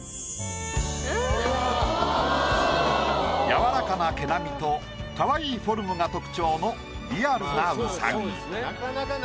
柔らかな毛並みとかわいいフォルムが特徴のリアルなウサギ。